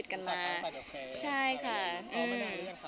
ถ้าคุณ